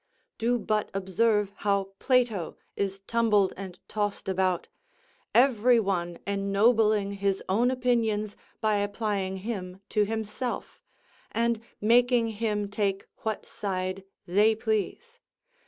Do but observe how Plato is tumbled and tossed about; every one ennobling his own opinions by applying him to himself, and making him take what side they please.